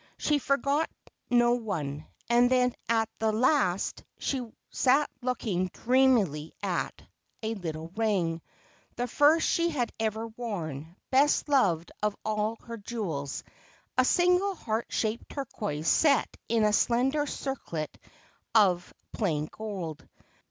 She forgot no one ; and then at the last she sat looking dreamily at a little ring, the first she had ever worn — best loved of all her jewels, a single heart shaped turquoise set in a slender circlet of plain gold.